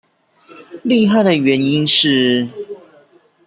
厲害的原因是